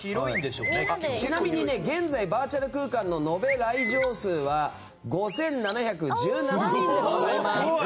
ちなみに現在、バーチャル空間の延べ来場者数は５７１７人でございます。